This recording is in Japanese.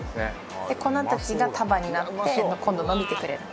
粉たちが束になって今度伸びてくれるの。